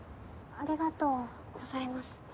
ありがとうございます。